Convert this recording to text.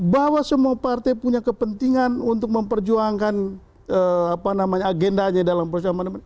bahwa semua partai punya kepentingan untuk memperjuangkan agendanya dalam proses amandemen